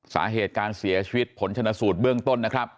สาเหตุการเสียชีวิตผลชนะสูตรเบื้องต้นนะครับ